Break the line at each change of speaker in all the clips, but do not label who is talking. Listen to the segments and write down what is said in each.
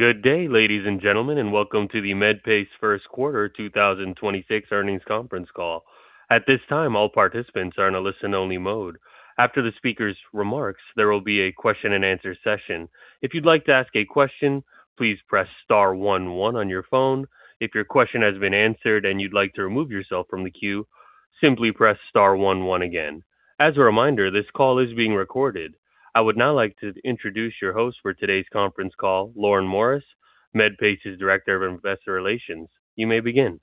Good day, ladies and gentlemen, and welcome to the Medpace Q1 2026 earnings conference call. At this time, all participants are in a listen-only mode. After the speaker's remarks, there will be a question and answer session. If you'd like to ask a question, please press star one one on your phone. If your question has been answered and you'd like to remove yourself from the queue, simply press star one one again. As a reminder, this call is being recorded. I would now like to introduce your host for today's conference call, Lauren Morris, Medpace's Director of Investor Relations. You may begin.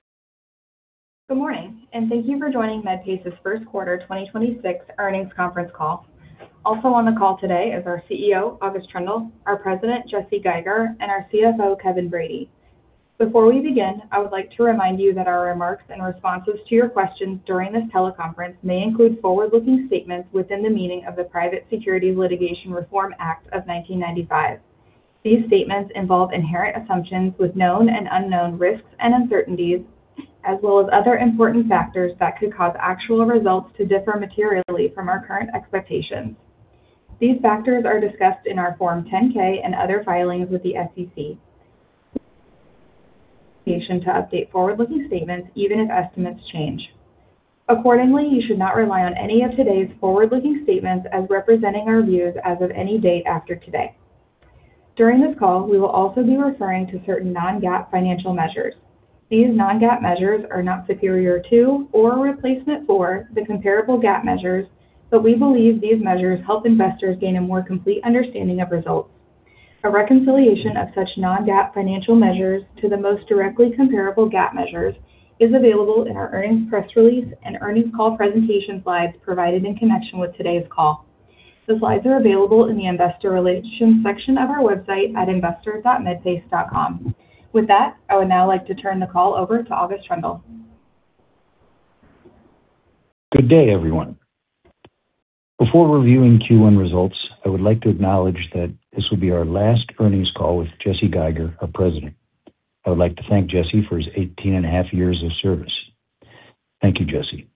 Good morning, and thank you for joining Medpace's Q1 2026 earnings conference call. Also on the call today is our CEO, August Troendle, our president, Jesse Geiger, and our CFO, Kevin Brady. Before we begin, I would like to remind you that our remarks and responses to your questions during this teleconference may include forward-looking statements within the meaning of the Private Securities Litigation Reform Act of 1995. These statements involve inherent assumptions with known and unknown risks and uncertainties, as well as other important factors that could cause actual results to differ materially from our current expectations. These factors are discussed in our Form 10-K and other filings with the SEC. To update forward-looking statements even if estimates change. Accordingly, you should not rely on any of today's forward-looking statements as representing our views as of any date after today. During this call, we will also be referring to certain non-GAAP financial measures. These non-GAAP measures are not superior to or replacement for the comparable GAAP measures, but we believe these measures help investors gain a more complete understanding of results. A reconciliation of such non-GAAP financial measures to the most directly comparable GAAP measures is available in our earnings press release and earnings call presentation slides provided in connection with today's call. The slides are available in the investor relations section of our website at investor.medpace.com. With that, I would now like to turn the call over to August Troendle.
Good day, everyone. Before reviewing Q1 results, I would like to acknowledge that this will be our last earnings call with Jesse Geiger, our President. I would like to thank Jesse for his 18.5 years of service. Thank you, Jesse.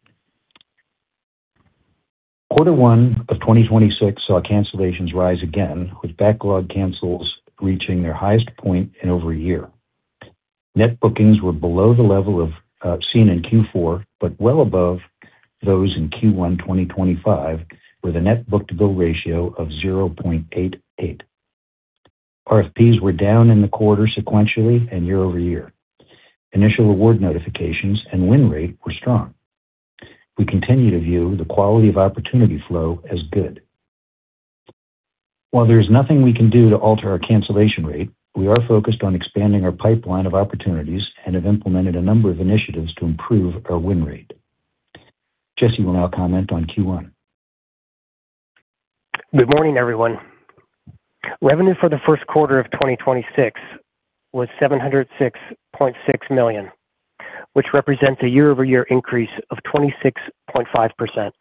Quarter one of 2026 saw cancellations rise again, with backlog cancels reaching their highest point in over a year. Net bookings were below the level seen in Q4, but well above those in Q1 2025, with a Net Book-to-Bill Ratio of 0.88. RFPs were down in the quarter sequentially and year-over-year. Initial award notifications and win rate were strong. We continue to view the quality of opportunity flow as good. While there is nothing we can do to alter our cancellation rate, we are focused on expanding our pipeline of opportunities and have implemented a number of initiatives to improve our win rate. Jesse will now comment on Q1.
Good morning, everyone. Revenue for the Q1 of 2026 was $706.6 million, which represents a year-over-year increase of 26.5%.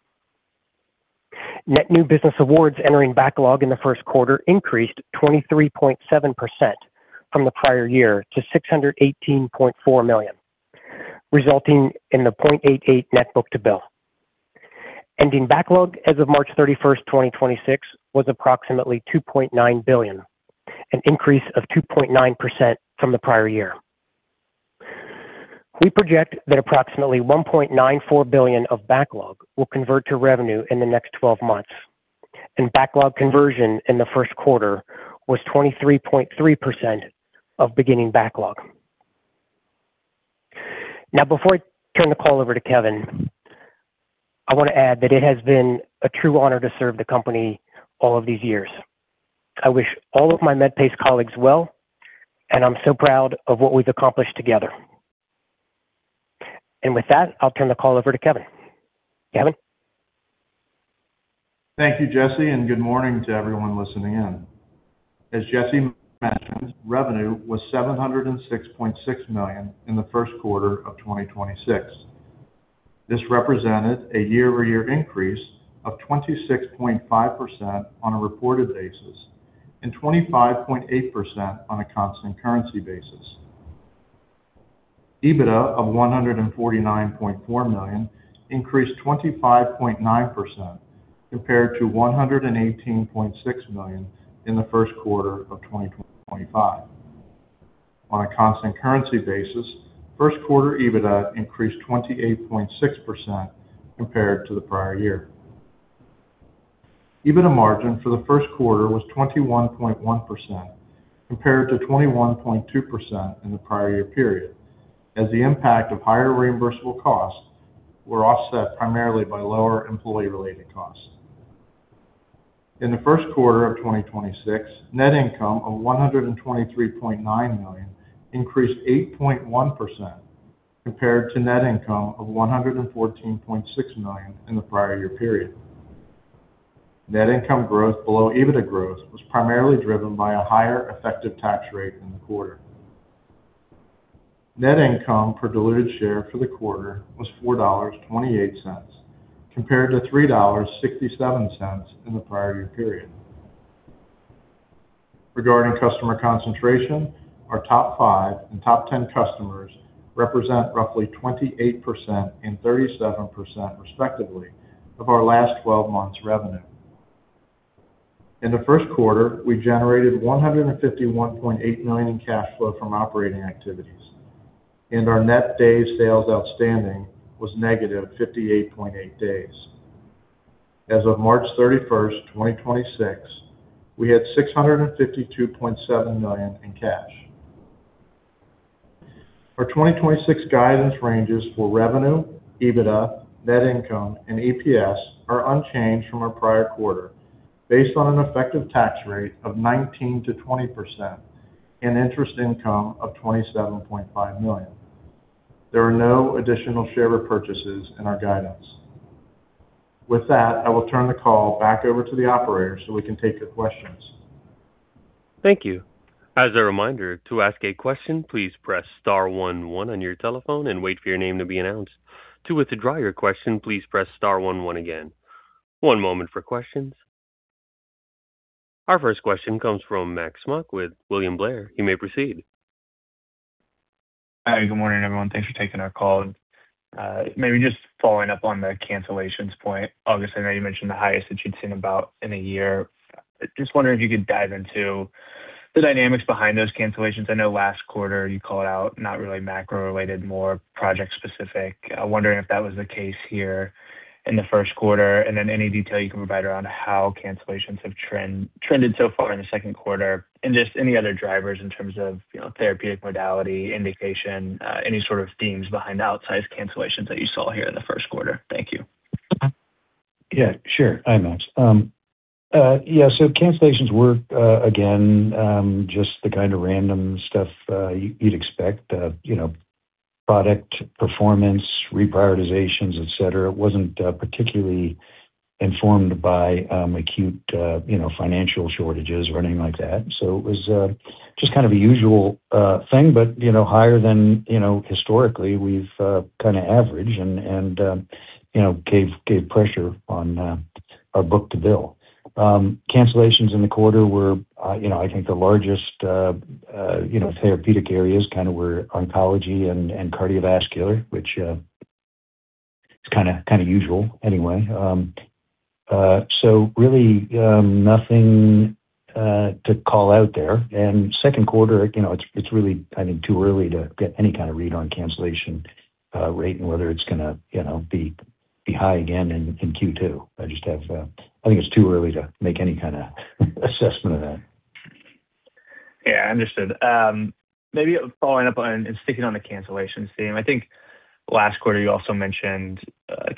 Net new business awards entering backlog in the Q1 increased 23.7% from the prior year to $618.4 million, resulting in the 0.88 net book-to-bill. Ending backlog as of March 31, 2026, was approximately $2.9 billion, an increase of 2.9% from the prior year. We project that approximately $1.94 billion of backlog will convert to revenue in the next twelve months, and backlog conversion in the Q1 was 23.3% of beginning backlog. Now, before I turn the call over to Kevin, I want to add that it has been a true honor to serve the company all of these years. I wish all of my Medpace colleagues well, and I'm so proud of what we've accomplished together. With that, I'll turn the call over to Kevin. Kevin?
Thank you, Jesse, and good morning to everyone listening in. As Jesse mentioned, revenue was $706.6 million in the Q1 of 2026. This represented a year-over-year increase of 26.5% on a reported basis and 25.8% on a constant currency basis. EBITDA of $149.4 million increased 25.9% compared to $118.6 million in the Q1 of 2025. On a constant currency basis, Q1 EBITDA increased 28.6% compared to the prior year. EBITDA margin for the Q1 was 21.1% compared to 21.2% in the prior year period, as the impact of higher reimbursable costs were offset primarily by lower employee-related costs. In the Q1 of 2026, net income of $123.9 million increased 8.1% compared to net income of $114.6 million in the prior year period. Net income growth below EBITDA growth was primarily driven by a higher effective tax rate in the quarter. Net income per diluted share for the quarter was $4.28, compared to $3.67 in the prior year period. Regarding customer concentration, our top five and top 10 customers represent roughly 28% and 37%, respectively, of our last 12 months revenue. In the Q1, we generated $151.8 million in cash flow from operating activities, and our net days sales outstanding was negative 58.8 days. As of March 31st, 2026, we had $652.7 million in cash. Our 2026 guidance ranges for revenue, EBITDA, net income, and EPS are unchanged from our prior quarter based on an effective tax rate of 19%-20% and interest income of $27.5 million. There are no additional share repurchases in our guidance. With that, I will turn the call back over to the operator so we can take your questions.
Thank you. As a reminder, to ask a question, please press star one one on your telephone and wait for your name to be announced. To withdraw your question, please press star one one again. One moment for questions. Our first question comes from Max Smock with William Blair. You may proceed.
Hi, good morning, everyone. Thanks for taking our call. Maybe just following up on the cancellations point. August, I know you mentioned the highest that you'd seen about in a year. Just wondering if you could dive into the dynamics behind those cancellations. I know last quarter you called out not really macro-related, more project-specific. I'm wondering if that was the case here in the Q1, and then any detail you can provide around how cancellations have trended so far in the Q2 and just any other drivers in terms of therapeutic modality, indication, any sort of themes behind outsized cancellations that you saw here in the Q1. Thank you.
Yeah, sure. Hi, Max. Yeah, cancellations were, again, just the kind of random stuff you'd expect. Product performance, reprioritizations, et cetera. It wasn't particularly informed by acute financial shortages or anything like that. It was just kind of a usual thing, but higher than historically we've kind of averaged and gave pressure on our book-to-bill. Cancellations in the quarter were, I think, the largest therapeutic areas kind of were oncology and cardiovascular, which is kind of usual anyway. Really nothing to call out there. Q2, it's really too early to get any kind of read on cancellation rate and whether it's going to be high again in Q2. I think it's too early to make any kind of assessment of that.
Yeah, understood. Maybe following up on and sticking on the cancellations theme, I think last quarter you also mentioned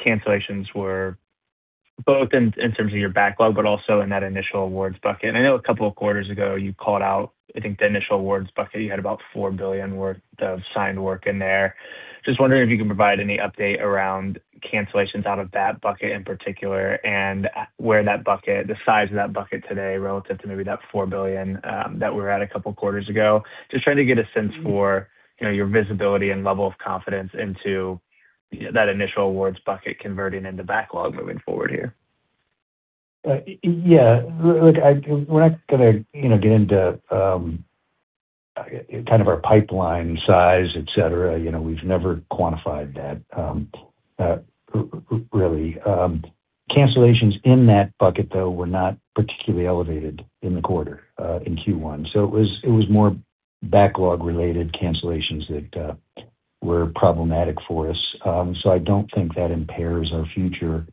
cancellations were both in terms of your backlog, but also in that initial awards bucket. I know a couple of quarters ago you called out, I think, the initial awards bucket. You had about $4 billion worth of signed work in there. Just wondering if you can provide any update around cancellations out of that bucket in particular and where that bucket, the size of that bucket today relative to maybe that $4 billion that we were at a couple quarters ago. Just trying to get a sense for your visibility and level of confidence into that initial awards bucket converting into backlog moving forward here.
Yeah. Look, we're not going to get into kind of our pipeline size, et cetera. We've never quantified that really. Cancellations in that bucket, though, were not particularly elevated in the quarter, in Q1. It was more backlog-related cancellations that were problematic for us. I don't think that impairs our future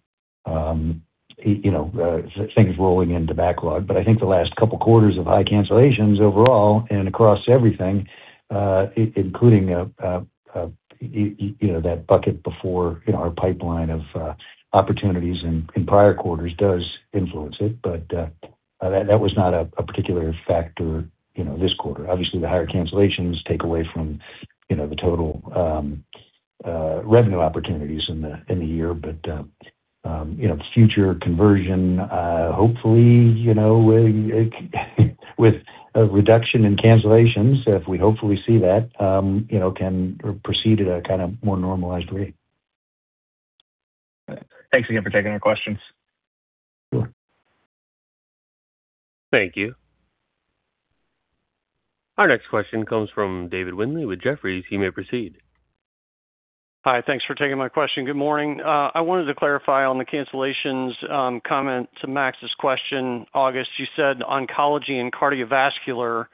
things rolling into backlog. I think the last couple quarters of high cancellations overall and across everything including that bucket before our pipeline of opportunities in prior quarters does influence it. That was not a particular factor this quarter. Obviously, the higher cancellations take away from the total revenue opportunities in the year. Future conversion hopefully with a reduction in cancellations, if we hopefully see that, can proceed at a kind of more normalized rate.
Thanks again for taking our questions.
Sure.
Thank you. Our next question comes from David Windley with Jefferies. He may proceed.
Hi. Thanks for taking my question. Good morning. I wanted to clarify on the cancellations comment to Max's question, August. You said oncology and cardiovascular.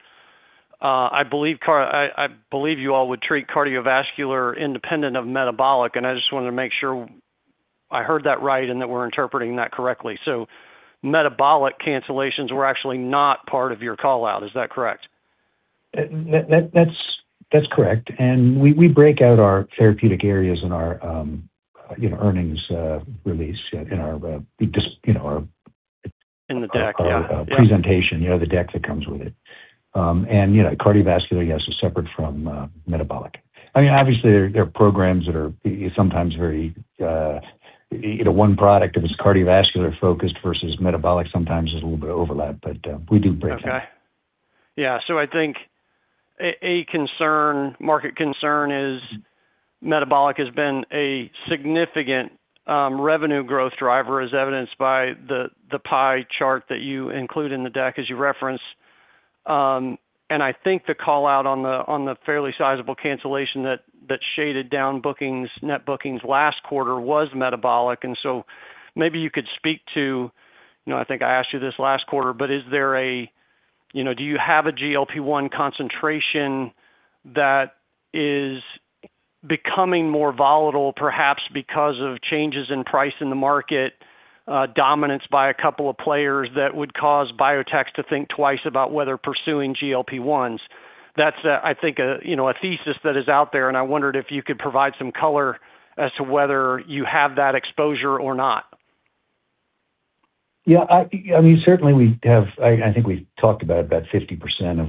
I believe you all would treat cardiovascular independent of metabolic, and I just wanted to make sure I heard that right and that we're interpreting that correctly. Metabolic cancellations were actually not part of your call-out, is that correct?
That's correct. We break out our therapeutic areas in our earnings release in our...
In the deck, yeah.
Presentation, the deck that comes with it. Cardiovascular, yes, is separate from metabolic. Obviously, there are programs that are sometimes very one product if it's cardiovascular-focused versus metabolic, sometimes there's a little bit of overlap, but we do break out.
Okay. Yeah. I think a market concern is metabolic has been a significant revenue growth driver, as evidenced by the pie chart that you include in the deck as you reference. I think the call out on the fairly sizable cancellation that shaded down net bookings last quarter was metabolic. Maybe you could speak to, I think I asked you this last quarter, but do you have a GLP-1 concentration that is becoming more volatile, perhaps because of changes in price in the market dominance by a couple of players that would cause biotechs to think twice about whether pursuing GLP-1s? That's, I think, a thesis that is out there, and I wondered if you could provide some color as to whether you have that exposure or not.
Yeah. I think we talked about 50% of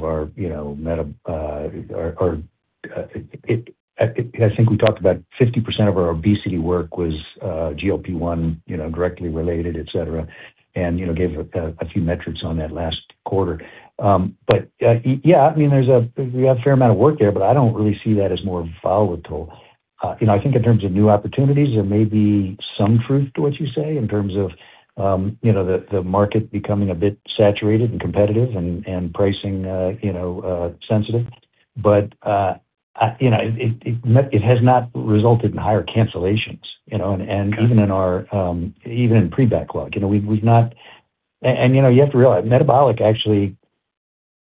our obesity work was GLP-1 directly related, et cetera, and gave a few metrics on that last quarter. Yeah, we have a fair amount of work there, but I don't really see that as more volatile. I think in terms of new opportunities, there may be some truth to what you say in terms of the market becoming a bit saturated and competitive and pricing sensitive. It has not resulted in higher cancellations. Even in pre-backlog. You have to realize, metabolic actually,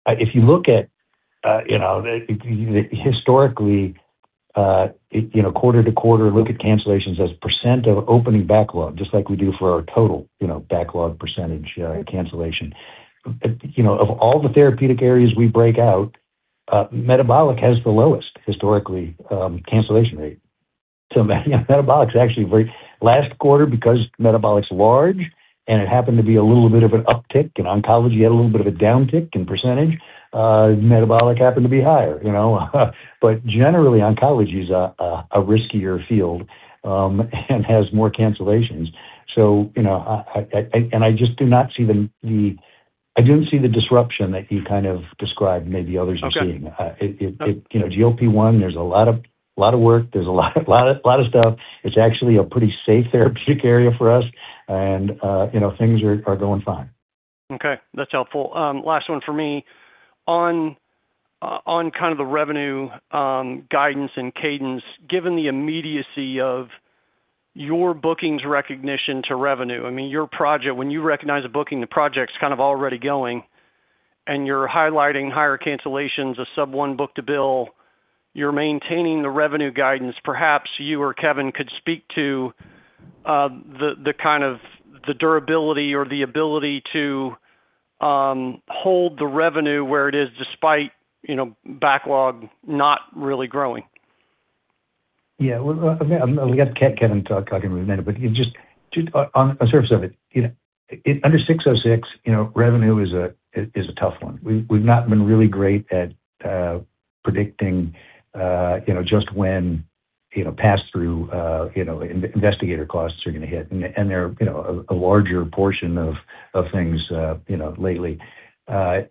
if you look at historically, quarter-quarter, look at cancellations as a percent of opening backlog, just like we do for our total backlog percentage cancellation. Of all the therapeutic areas we break out, metabolic has the lowest historically cancellation rate. Metabolic is actually last quarter, because metabolic's large and it happened to be a little bit of an uptick in oncology, had a little bit of a downtick in percentage, metabolic happened to be higher. Generally, oncology is a riskier field and has more cancellations. I didn't see the disruption that you kind of described maybe others are seeing.
Okay.
GLP-1, there's a lot of work. There's a lot of stuff. It's actually a pretty safe therapeutic area for us, and things are going fine.
Okay, that's helpful. Last one for me. On kind of the revenue guidance and cadence, given the immediacy of your bookings recognition to revenue, when you recognize a booking, the project's kind of already going and you're highlighting higher cancellations of sub one book-to-bill, you're maintaining the revenue guidance. Perhaps you or Kevin could speak to the kind of the durability or the ability to hold the revenue where it is despite backlog not really growing.
Yeah. I'll let Kevin talk in a minute. Just on the surface of it, under 606, revenue is a tough one. We've not been really great at predicting just when pass through investigator costs are going to hit, and they're a larger portion of things lately. Look,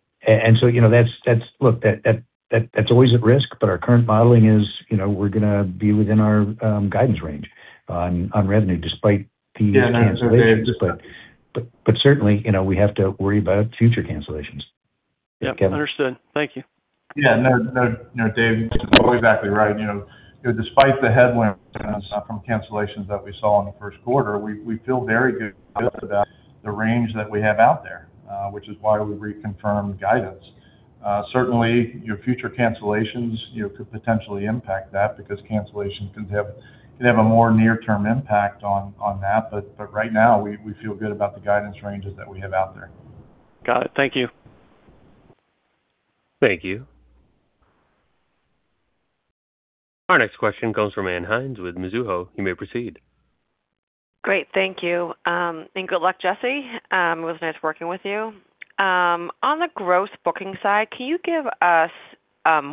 that's always at risk, but our current modeling is we're going to be within our guidance range on revenue despite these cancellations.
Yeah, no.
Certainly, we have to worry about future cancellations. Kevin?
Yep, understood. Thank you.
Yeah, no, David, you're exactly right. Despite the headwinds from cancellations that we saw in the Q1, we feel very good about the range that we have out there, which is why we reconfirmed guidance. Certainly, your future cancellations could potentially impact that because cancellations could have a more near-term impact on that. Right now, we feel good about the guidance ranges that we have out there.
Got it. Thank you.
Thank you. Our next question comes from Ann Hynes with Mizuho. You may proceed.
Great. Thank you. Good luck, Jesse. It was nice working with you. On the gross booking side, can you give us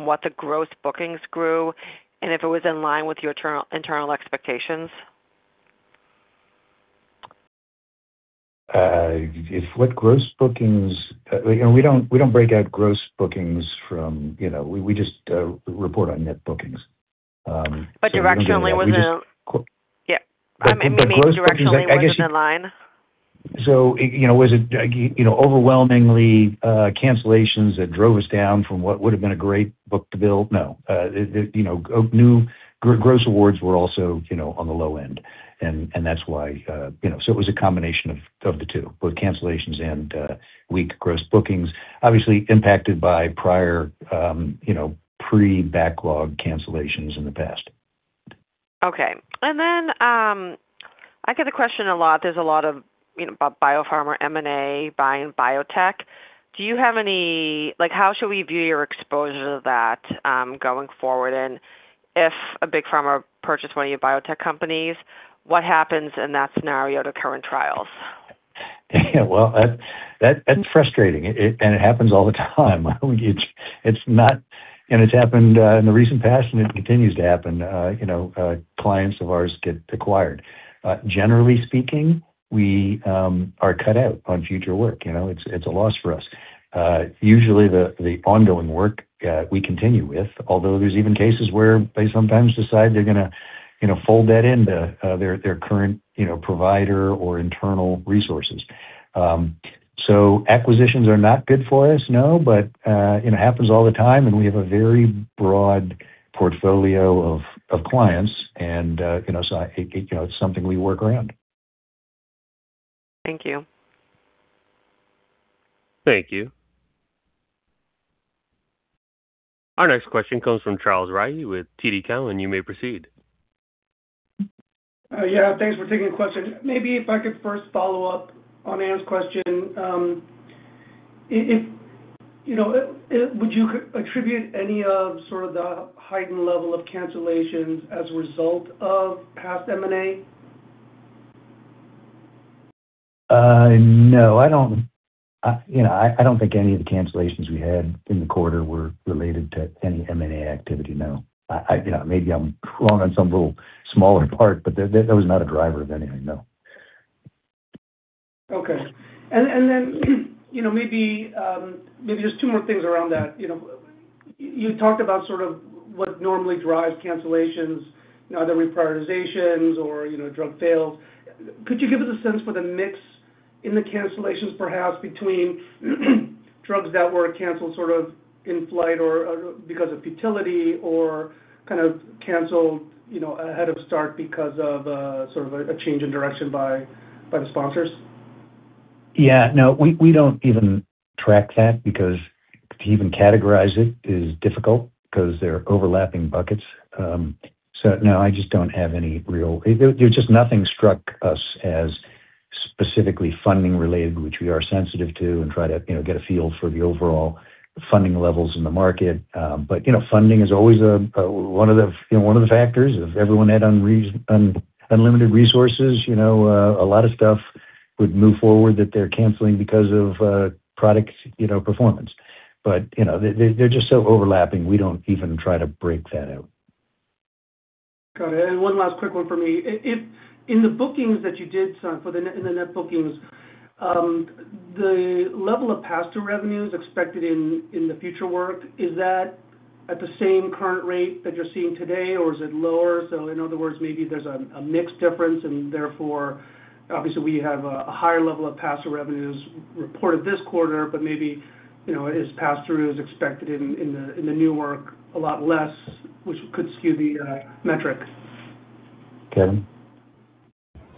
what the gross bookings grew and if it was in line with your internal expectations?
We don't break out gross bookings. We just report on net bookings.
Directionally, was it?
We just-
Yeah. I mean.
Gross bookings, I guess.
Directionally, was it in line?
Was it overwhelmingly cancellations that drove us down from what would've been a great book-to-bill? No. New gross awards were also on the low end, and that's why. It was a combination of the two, both cancellations and weak gross bookings, obviously impacted by prior pre-backlog cancellations in the past.
Okay. I get the question a lot. There's a lot of biopharma M&A buying biotech. How should we view your exposure to that going forward? If a big pharma purchased one of your biotech companies, what happens in that scenario to current trials?
Well, that's frustrating, and it happens all the time. It's happened in the recent past, and it continues to happen. Clients of ours get acquired. Generally speaking, we are cut out on future work. It's a loss for us. Usually, the ongoing work we continue with, although there's even cases where they sometimes decide they're going to fold that into their current provider or internal resources. Acquisitions are not good for us, no, but it happens all the time, and we have a very broad portfolio of clients, and so it's something we work around.
Thank you.
Thank you. Our next question comes from Charles Rhyee with TD Cowen. You may proceed.
Yeah, thanks for taking the question. Maybe if I could first follow up on Ann's question. Would you attribute any sort of the heightened level of cancellations as a result of past M&A?
No. I don't think any of the cancellations we had in the quarter were related to any M&A activity, no. Maybe I'm wrong on some little smaller part, but that was not a driver of anything, no.
Okay. Maybe just two more things around that. You talked about sort of what normally drives cancellations, either reprioritizations or drug fails. Could you give us a sense for the mix in the cancellations, perhaps between drugs that were canceled sort of in flight or because of futility or kind of canceled ahead of start because of a change in direction by the sponsors?
Yeah, no, we don't even track that because to even categorize it is difficult, because they're overlapping buckets. No, just nothing struck us as specifically funding related, which we are sensitive to and try to get a feel for the overall funding levels in the market. Funding is always one of the factors. If everyone had unlimited resources, a lot of stuff would move forward that they're canceling because of product performance. They're just so overlapping, we don't even try to break that out.
Got it. One last quick one for me. In the bookings that you did, in the net bookings, the level of pass-through revenues expected in the future work, is that at the same current rate that you're seeing today, or is it lower? In other words, maybe there's a mixed difference and therefore, obviously we have a higher level of pass-through revenues reported this quarter, but maybe, pass-through expected in the new work a lot less, which could skew the metrics.
Kevin?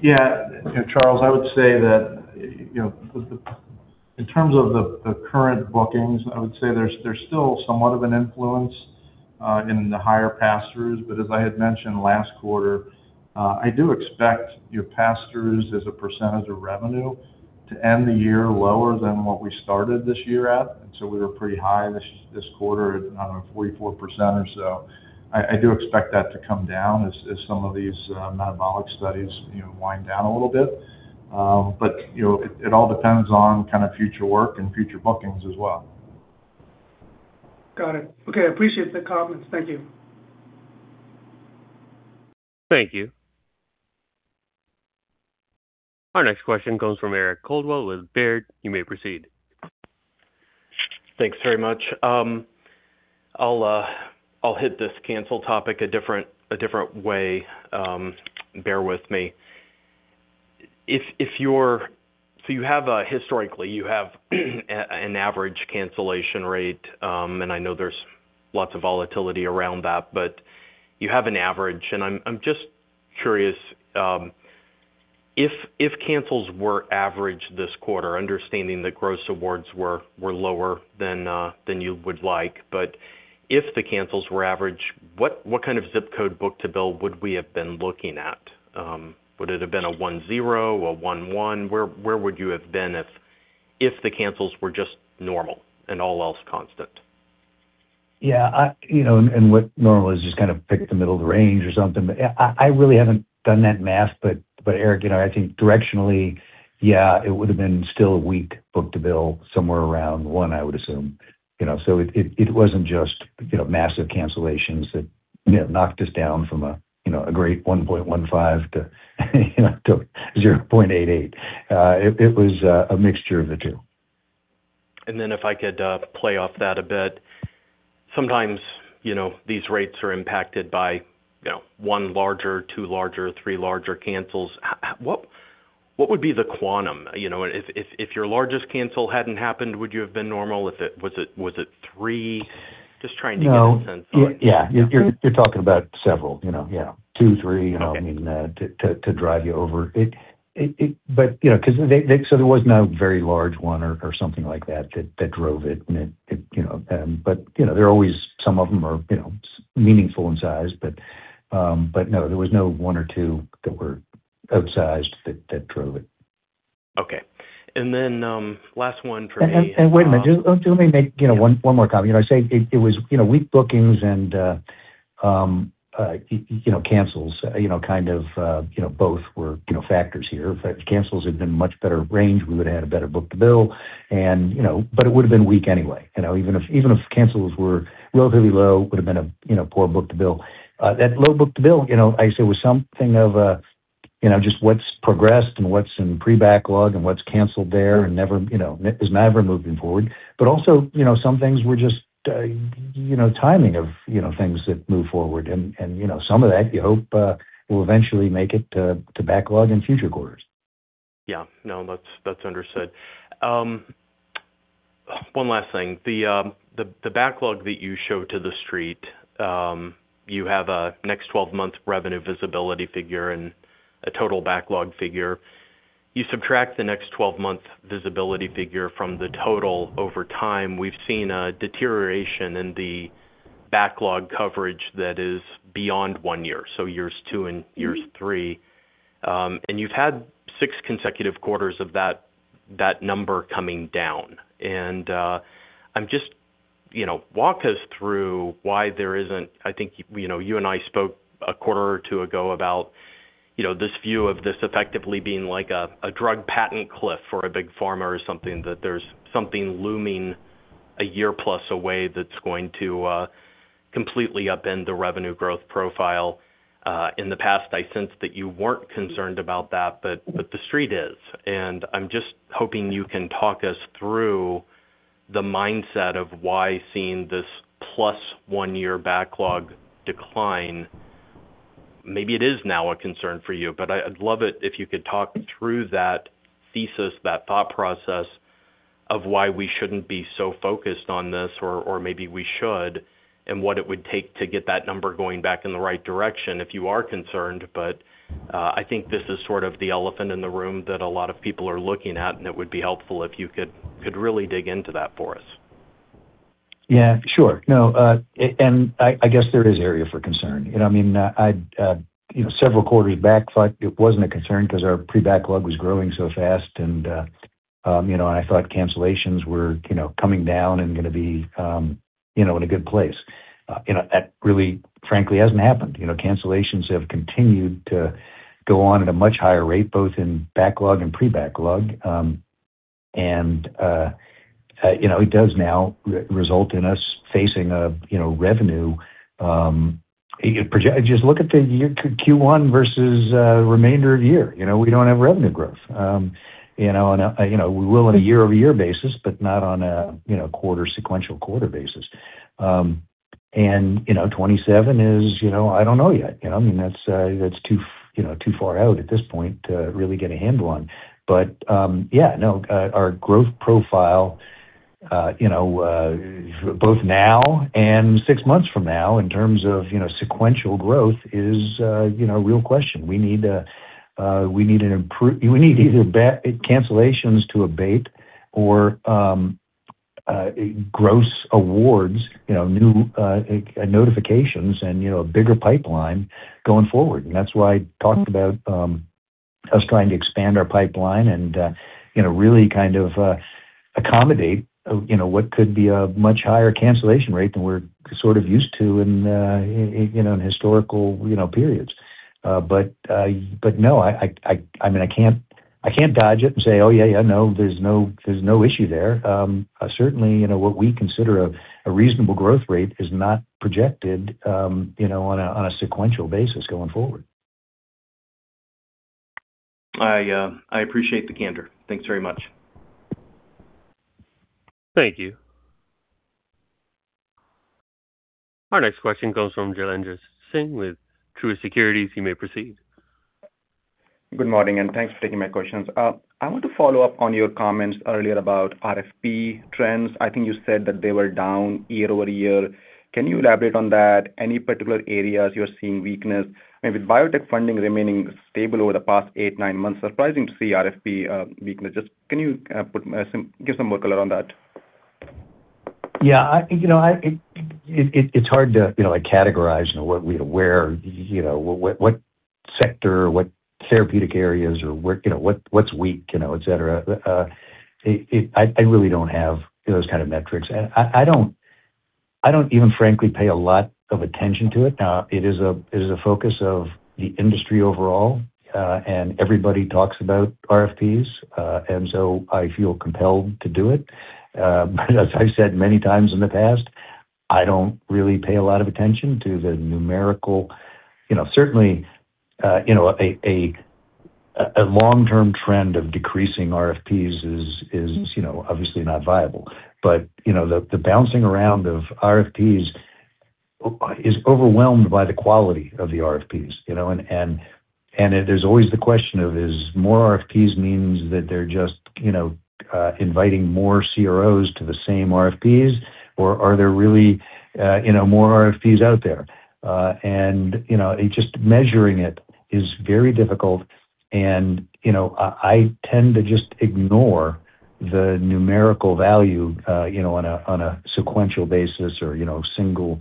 Yeah. Charles, I would say that in terms of the current bookings, I would say there's still somewhat of an influence in the higher pass-throughs. As I had mentioned last quarter, I do expect your pass-throughs as a percentage of revenue to end the year lower than what we started this year at. We were pretty high this quarter at 44% or so. I do expect that to come down as some of these metabolic studies wind down a little bit. It all depends on future work and future bookings as well.
Got it. Okay. I appreciate the comments. Thank you.
Thank you. Our next question comes from Eric Coldwell with Baird. You may proceed.
Thanks very much. I'll hit this cancel topic a different way, bear with me. You have historically, you have an average cancellation rate, and I know there's lots of volatility around that, but you have an average. I'm just curious, if cancels were average this quarter, understanding the gross awards were lower than you would like, but if the cancels were average, what kind of zip code book-to-bill would we have been looking at? Would it have been a one zero, or a one one? Where would you have been if the cancels were just normal and all else constant?
Yeah. What normal is, just kind of pick the middle of the range or something. I really haven't done that math, but Eric, I think directionally, yeah, it would have been still a weak book-to-bill somewhere around one, I would assume. It wasn't just massive cancellations that knocked us down from a great 1.15-0.88. It was a mixture of the two.
If I could play off that a bit. Sometimes these rates are impacted by one larger, two larger, three larger cancels. What would be the quantum? If your largest cancel hadn't happened, would you have been normal? Was it three? Just trying to get a sense on
No. Yeah. You're talking about several. Yeah. two, three-
Okay...
to drive you over. There was no very large one or something like that that drove it. There are always some of them are meaningful in size. No, there was no one or two that were outsized that drove it.
Okay. Last one for me.
Wait a minute. Just let me make one more comment. I say it was weak bookings and cancels, both were factors here. If cancels had been much better range, we would've had a better book-to-bill, but it would've been weak anyway. Even if cancels were relatively low, it would've been a poor book-to-bill. That low book-to-bill, I say, was something of an adjustment to what's progressed and what's in pre-backlog and what's canceled there and is never moving forward. Also, some things were just timing of things that move forward. Some of that you hope will eventually make it to backlog in future quarters.
Yeah. No, that's understood. One last thing. The backlog that you show to the Street, you have a next 12-month revenue visibility figure and a total backlog figure. You subtract the next 12-month visibility figure from the total over time. We've seen a deterioration in the backlog coverage that is beyond one year, so years two and years three, and you've had six consecutive quarters of that number coming down. Walk us through why there isn't. I think you and I spoke a quarter or two ago about this view of this effectively being like a drug patent cliff for a big pharma or something, that there's something looming a year plus away that's going to completely upend the revenue growth profile. In the past, I sensed that you weren't concerned about that, but the Street is. I'm just hoping you can talk us through the mindset of why seeing this plus one year backlog decline, maybe it is now a concern for you, but I'd love it if you could talk through that thesis, that thought process of why we shouldn't be so focused on this or maybe we should, and what it would take to get that number going back in the right direction if you are concerned. I think this is sort of the elephant in the room that a lot of people are looking at, and it would be helpful if you could really dig into that for us.
Yeah, sure. I guess there is area for concern. Several quarters back, it wasn't a concern because our pre-backlog was growing so fast, and I thought cancellations were coming down and going to be in a good place. That really, frankly, hasn't happened. Cancellations have continued to go on at a much higher rate, both in backlog and pre-backlog. It does now result in us facing a revenue. Just look at the Q1 versus remainder of year. We don't have revenue growth. We will on a year-over-year basis, but not on a sequential quarter basis. 2027 is, I don't know yet. That's too far out at this point to really get a handle on. Our growth profile both now and six months from now in terms of sequential growth is a real question. We need either cancellations to abate or gross awards, new notifications and a bigger pipeline going forward. That's why I talked about us trying to expand our pipeline and really kind of accommodate what could be a much higher cancellation rate than we're sort of used to in historical periods. No, I can't dodge it and say, "Oh, yeah, no, there's no issue there." Certainly, what we consider a reasonable growth rate is not projected on a sequential basis going forward.
I appreciate the candor. Thanks very much.
Thank you. Our next question comes from Jailendra Singh with Truist Securities. You may proceed.
Good morning, and thanks for taking my questions. I want to follow up on your comments earlier about RFP trends. I think you said that they were down year-over-year. Can you elaborate on that? Any particular areas you're seeing weakness? I mean, with biotech funding remaining stable over the past eight, nine months, surprising to see RFP weakness. Just can you give some more color on that?
Yeah. It's hard to categorize where, what sector or what therapeutic areas or what's weak, et cetera. I really don't have those kind of metrics. I don't even frankly pay a lot of attention to it. It is a focus of the industry overall. Everybody talks about RFPs, and so I feel compelled to do it. As I said many times in the past, I don't really pay a lot of attention to the numerical. Certainly, a long-term trend of decreasing RFPs is obviously not viable. The bouncing around of RFPs is overwhelmed by the quality of the RFPs. There's always the question of, is more RFPs means that they're just inviting more CROs to the same RFPs, or are there really more RFPs out there? Just measuring it is very difficult, and I tend to just ignore the numerical value on a sequential basis or single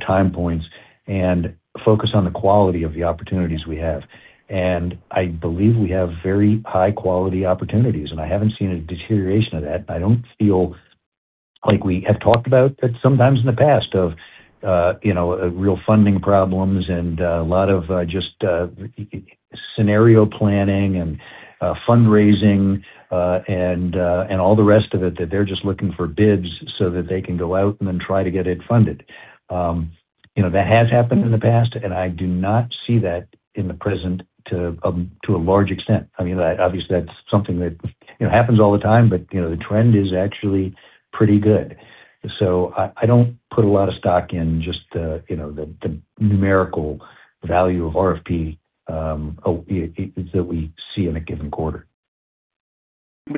time points and focus on the quality of the opportunities we have. I believe we have very high-quality opportunities, and I haven't seen a deterioration of that. I don't feel like we have talked about sometimes in the past of real funding problems and a lot of just scenario planning and fundraising, and all the rest of it, that they're just looking for bids so that they can go out and then try to get it funded. That has happened in the past, and I do not see that in the present to a large extent. Obviously, that's something that happens all the time, but the trend is actually pretty good. I don't put a lot of stock in just the numerical value of RFP that we see in a given quarter.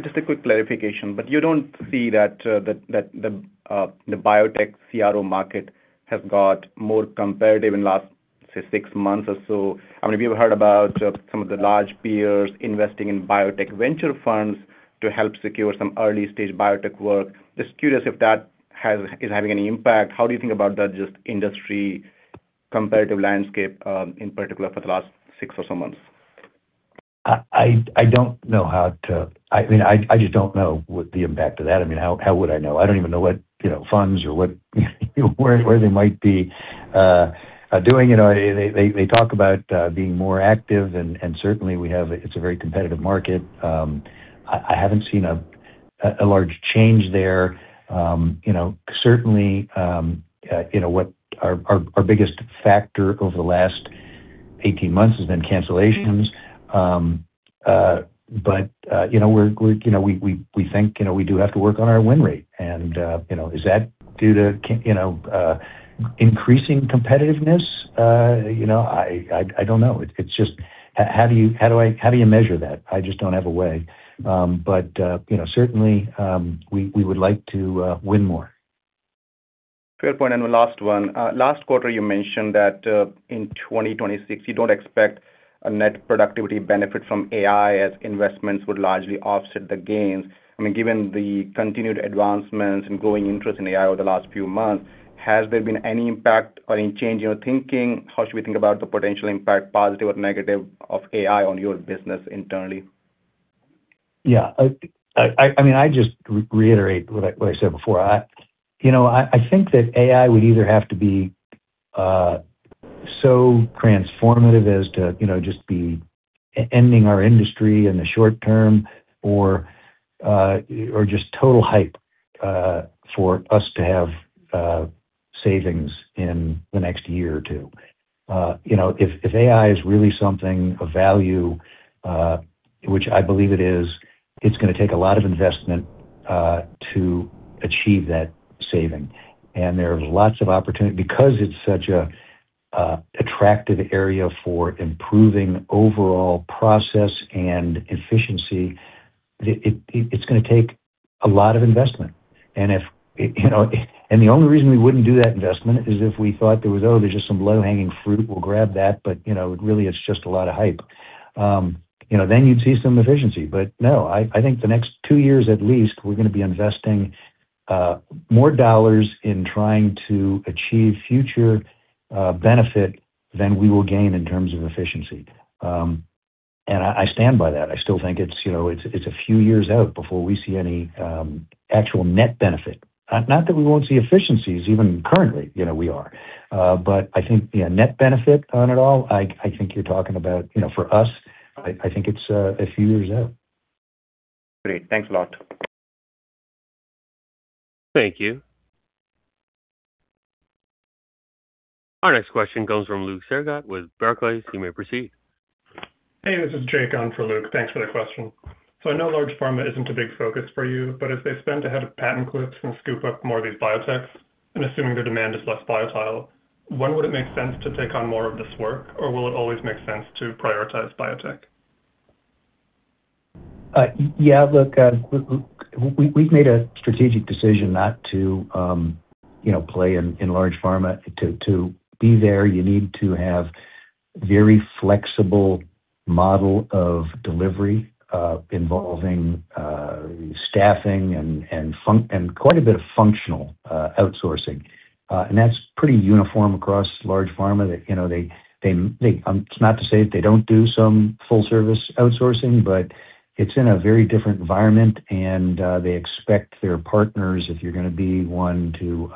Just a quick clarification. You don't see that the biotech CRO market has got more competitive in the last, say, six months or so. We've heard about some of the large peers investing in biotech venture funds to help secure some early-stage biotech work. Just curious if that is having any impact. How do you think about that, just industry competitive landscape, in particular for the last six or so months?
I just don't know the impact of that. How would I know? I don't even know what funds or where they might be doing. They talk about being more active, and certainly it's a very competitive market. I haven't seen a large change there. Certainly, our biggest factor over the last 18 months has been cancellations. We think we do have to work on our win rate. Is that due to increasing competitiveness? I don't know. How do you measure that? I just don't have a way. Certainly, we would like to win more.
Fair point, and the last one. Last quarter, you mentioned that in 2026, you don't expect a net productivity benefit from AI as investments would largely offset the gains. Given the continued advancements and growing interest in AI over the last few months, has there been any impact or any change in your thinking? How should we think about the potential impact, positive or negative, of AI on your business internally?
Yeah. I just reiterate what I said before. I think that AI would either have to be so transformative as to just be ending our industry in the short term or just total hype for us to have savings in the next year or two. If AI is really something of value, which I believe it is, it's going to take a lot of investment to achieve that saving. There's lots of opportunity. Because it's such an attractive area for improving overall process and efficiency, it's going to take a lot of investment. The only reason we wouldn't do that investment is if we thought there was, "Oh, there's just some low-hanging fruit. We'll grab that, but really it's just a lot of hype." You'd see some efficiency. No, I think the next two years at least, we're going to be investing more dollars in trying to achieve future benefit than we will gain in terms of efficiency. I stand by that. I still think it's a few years out before we see any actual net benefit. Not that we won't see efficiencies, even currently, we are. I think net benefit on it all, I think you're talking about, for us, I think it's a few years out.
Great. Thanks a lot.
Thank you. Our next question comes from Luke Sergott with Barclays. You may proceed.
Hey, this is Jake on for Luke. Thanks for the question. I know large pharma isn't a big focus for you, but as they spend ahead of patent cliffs and scoop up more of these biotechs, I'm assuming the demand is less biotech-style. When would it make sense to take on more of this work, or will it always make sense to prioritize biotech?
Yeah, look, we've made a strategic decision not to play in large pharma. To be there, you need to have very flexible model of delivery involving staffing and quite a bit of functional outsourcing. That's pretty uniform across large pharma. It's not to say they don't do some full-service outsourcing, but it's in a very different environment and they expect their partners, if you're going to be one, to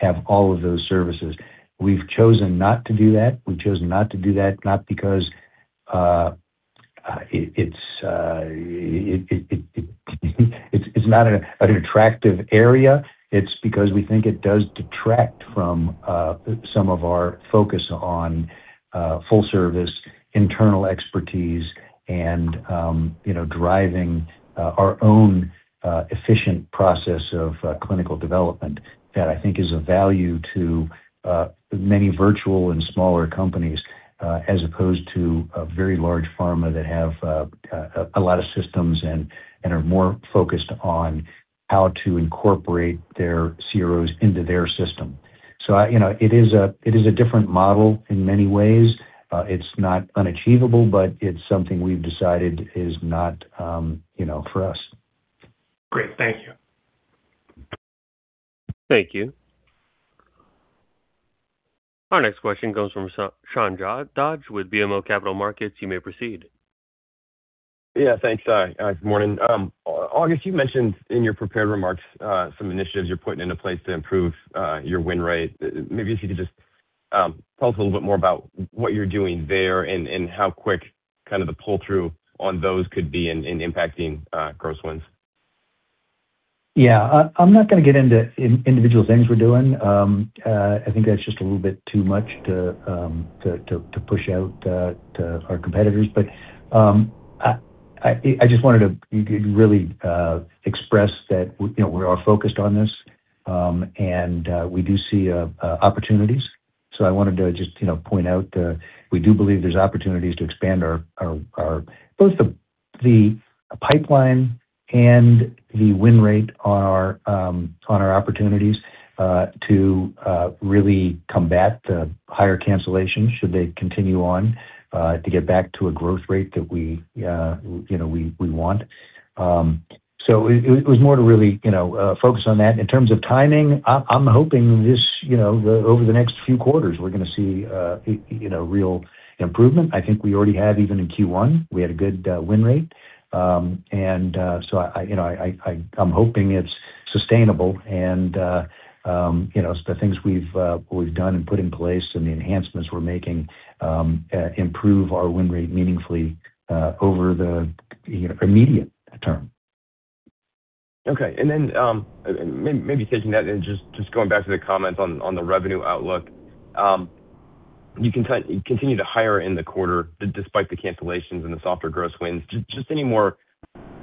have all of those services. We've chosen not to do that. We've chosen not to do that not because it's not an attractive area. It's because we think it does detract from some of our focus on full service, internal expertise, and driving our own efficient process of clinical development that I think is of value to many virtual and smaller companies, as opposed to a very large pharma that have a lot of systems and are more focused on how to incorporate their CROs into their system. It is a different model in many ways. It's not unachievable, but it's something we've decided is not for us.
Great, thank you.
Thank you. Our next question comes from Sean Dodge with BMO Capital Markets. You may proceed.
Yeah, thanks. Good morning. August, you mentioned in your prepared remarks some initiatives you're putting into place to improve your win rate. Maybe if you could just tell us a little bit more about what you're doing there and how quick the pull-through on those could be in impacting gross wins?
Yeah. I'm not going to get into individual things we're doing. I think that's just a little bit too much to push out to our competitors. I just wanted to really express that we are focused on this, and we do see opportunities. I wanted to just point out we do believe there's opportunities to expand both the pipeline and the win rate on our opportunities to really combat higher cancellations, should they continue on, to get back to a growth rate that we want. It was more to really focus on that. In terms of timing, I'm hoping over the next few quarters, we're going to see real improvement. I think we already have, even in Q1, we had a good win rate. I'm hoping it's sustainable and the things we've done and put in place and the enhancements we're making improve our win rate meaningfully over the immediate term.
Okay. Maybe taking that and just going back to the comments on the revenue outlook. You continued to hire in the quarter despite the cancellations and the softer gross wins. Just any more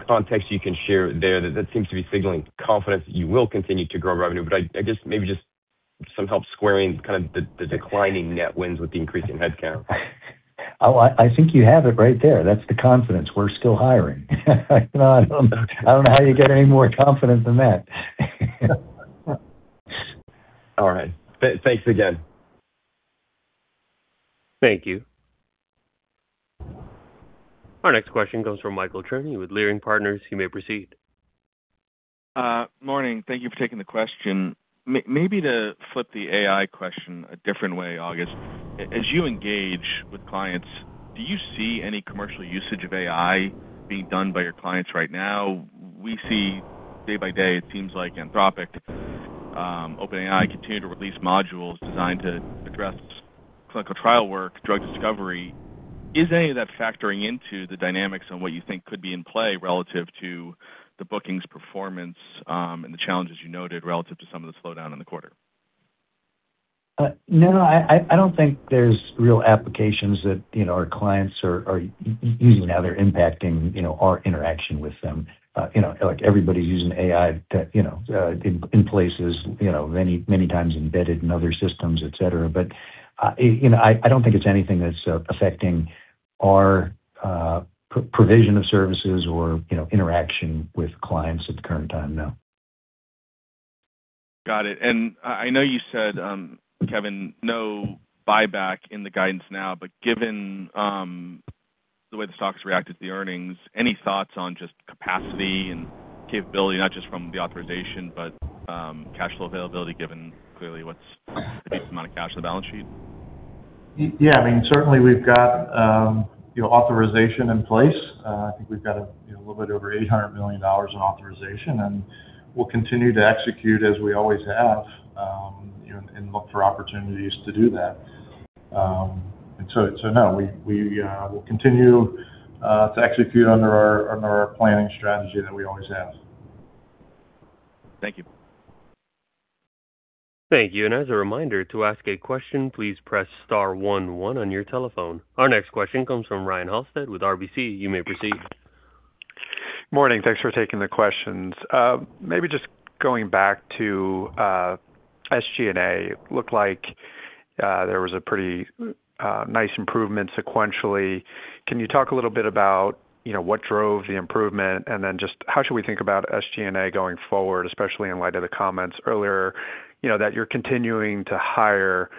context you can share there? That seems to be signaling confidence that you will continue to grow revenue. Maybe just some help squaring the declining net wins with the increase in headcount.
Oh, I think you have it right there. That's the confidence. We're still hiring. I don't know how you get any more confidence than that.
All right. Thanks again.
Thank you. Our next question comes from Michael Cherny with Leerink Partners. You may proceed.
Morning. Thank you for taking the question. Maybe to flip the AI question a different way, August. As you engage with clients, do you see any commercial usage of AI being done by your clients right now? We see day by day, it seems like Anthropic, OpenAI, continue to release modules designed to address clinical trial work, drug discovery. Is any of that factoring into the dynamics on what you think could be in play relative to the bookings performance and the challenges you noted relative to some of the slowdown in the quarter?
No, I don't think there's real applications that our clients are using now that are impacting our interaction with them. Everybody's using AI in places, many times embedded in other systems, et cetera. I don't think it's anything that's affecting our provision of services or interaction with clients at the current time, no.
Got it. I know you said, Kevin, no buyback in the guidance now, but given the way the stock's reacted to the earnings, any thoughts on just capacity and capability, not just from the authorization, but cash flow availability given clearly what's a decent amount of cash on the balance sheet?
Yeah. Certainly, we've got authorization in place. I think we've got a little bit over $800 million in authorization, and we'll continue to execute as we always have and look for opportunities to do that. No, we will continue to execute under our planning strategy that we always have.
Thank you.
Thank you. As a reminder, to ask a question, please press star one one on your telephone. Our next question comes from Ryan Halsted with RBC. You may proceed.
Morning. Thanks for taking the questions. Maybe just going back to SG&A, looked like there was a pretty nice improvement sequentially. Can you talk a little bit about what drove the improvement, and then just how should we think about SG&A going forward, especially in light of the comments earlier, that you're continuing to hire.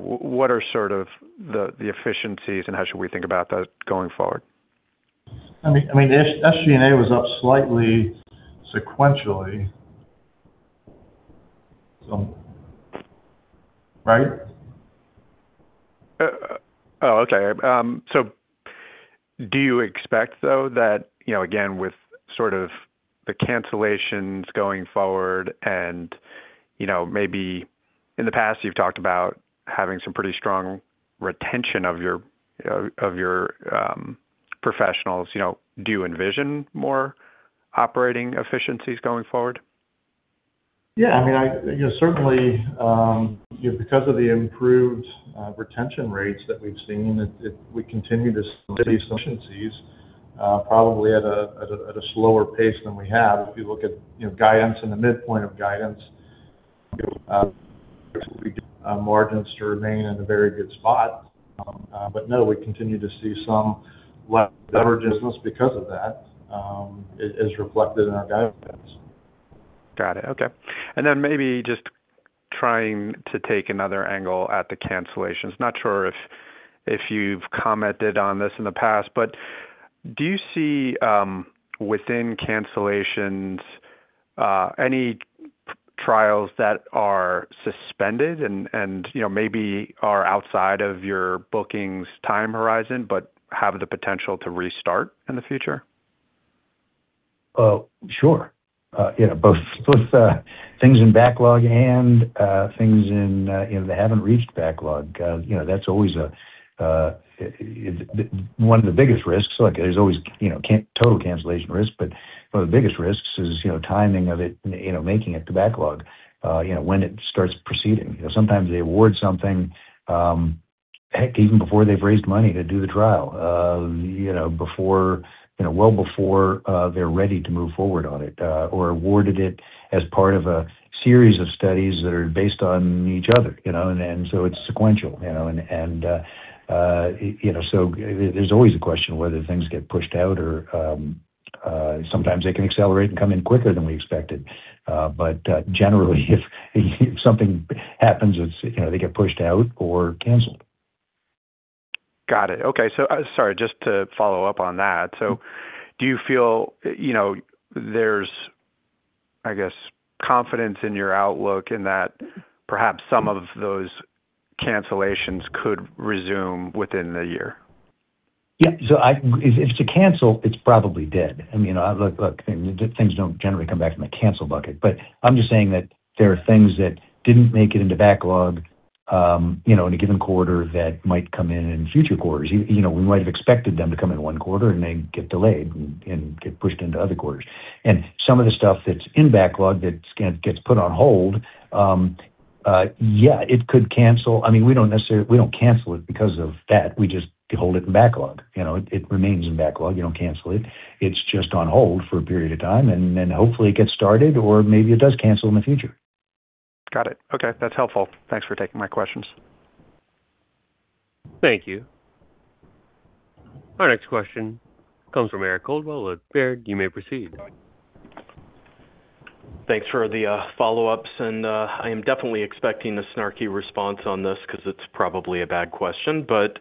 What are the efficiencies and how should we think about that going forward?
SG&A was up slightly sequentially. Right?
Oh, okay. Do you expect, though, that, again, with sort of the cancellations going forward and maybe in the past, you've talked about having some pretty strong retention of your professionals. Do you envision more operating efficiencies going forward?
Yeah. Certainly, because of the improved retention rates that we've seen, we continue to see some efficiencies, probably at a slower pace than we have. If you look at guidance and the midpoint of guidance, we get margins to remain in a very good spot. No, we continue to see some leverage because of that. It is reflected in our guidance.
Got it. Okay. Maybe just trying to take another angle at the cancellations. Not sure if you've commented on this in the past, but do you see within cancellations any trials that are suspended and maybe are outside of your bookings time horizon but have the potential to restart in the future?
Sure. Both things in backlog and things that haven't reached backlog. That's always one of the biggest risks. There's always total cancellation risk, but one of the biggest risks is timing of it, making it to backlog, when it starts proceeding. Sometimes they award something, heck, even before they've raised money to do the trial, well before they're ready to move forward on it or awarded it as part of a series of studies that are based on each other. It's sequential. There's always a question whether things get pushed out or sometimes they can accelerate and come in quicker than we expected. Generally, if something happens, they get pushed out or canceled.
Got it. Okay. Sorry, just to follow up on that. Do you feel there's, I guess, confidence in your outlook in that perhaps some of those cancellations could resume within the year?
Yeah. If it's a cancel, it's probably dead. Look, things don't generally come back from the cancel bucket. I'm just saying that there are things that didn't make it into backlog in a given quarter that might come in in future quarters. We might have expected them to come in one quarter, and they get delayed and get pushed into other quarters. Some of the stuff that's in backlog that gets put on hold, yeah, it could cancel. We don't cancel it because of that. We just hold it in backlog. It remains in backlog. You don't cancel it. It's just on hold for a period of time, and then hopefully it gets started or maybe it does cancel in the future.
Got it. Okay. That's helpful. Thanks for taking my questions.
Thank you. Our next question comes from Eric Coldwell with Baird. You may proceed.
Thanks for the follow-ups. I am definitely expecting a snarky response on this because it's probably a bad question, but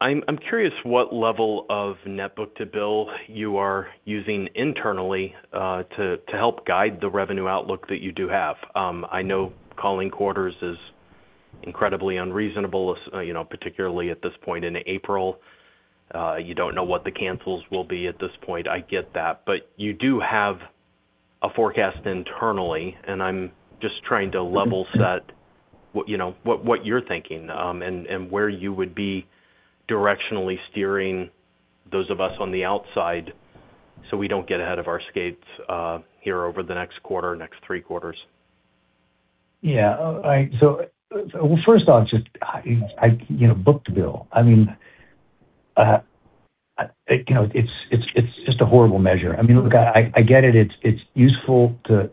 I'm curious what level of net book-to-bill you are using internally to help guide the revenue outlook that you do have. I know calling quarters is incredibly unreasonable, particularly at this point in April. You don't know what the cancels will be at this point, I get that. You do have a forecast internally, and I'm just trying to level set what you're thinking and where you would be directionally steering those of us on the outside so we don't get ahead of our skis here over the next quarter, next three quarters.
Yeah. First off, just book-to-bill. It's just a horrible measure. Look, I get it. It's useful to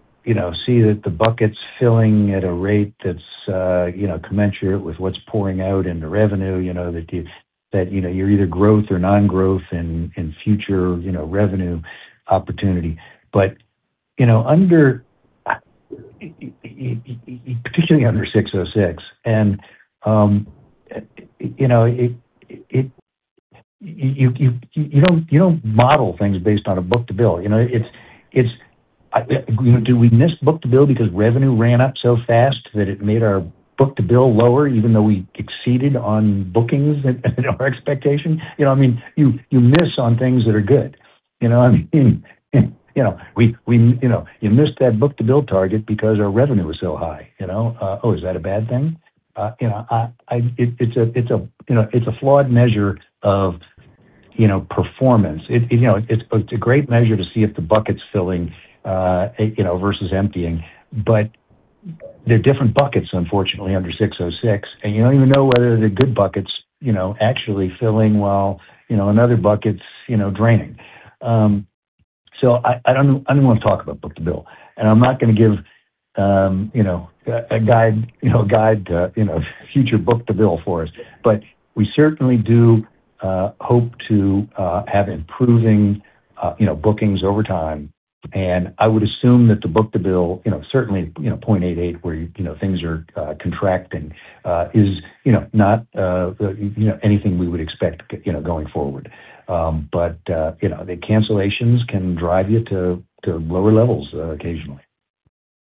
see that the bucket's filling at a rate that's commensurate with what's pouring out into revenue, that you're either growth or non-growth in future revenue opportunity. But particularly under 606, you don't model things based on a book-to-bill. Do we miss book-to-bill because revenue ran up so fast that it made our book-to-bill lower, even though we exceeded on bookings and our expectation? You miss on things that are good. You missed that book-to-bill target because our revenue was so high. Oh, is that a bad thing? It's a flawed measure of performance. It's a great measure to see if the bucket's filling versus emptying. But they're different buckets, unfortunately, under 606, and you don't even know whether the good bucket's actually filling while another bucket's draining. I don't even want to talk about book-to-bill, and I'm not going to give a guide to future book-to-bill for us. We certainly do hope to have improving bookings over time, and I would assume that the book-to-bill, certainly 0.88, where things are contracting, is not anything we would expect going forward. The cancellations can drive you to lower levels occasionally.